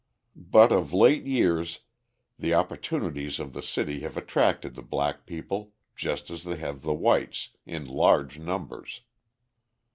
But of late years the opportunities of the city have attracted the black people, just as they have the whites, in large numbers.